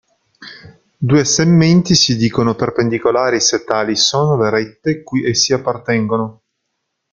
Due segmenti si dicono perpendicolari se tali sono le rette cui essi appartengono.